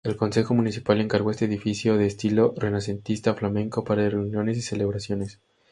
El Consejo Municipal encargó este edificio de estilo renacentista flamenco para reuniones y celebraciones.